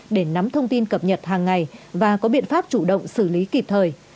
để nắm thông tin cập nhật hàng ngày và có biện pháp chủ động xử lý kịp thời